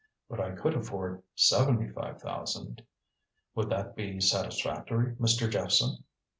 But I could afford seventy five thousand. Would that be satisfactory, Mr. Jephson?"